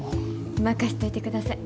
任しといてください。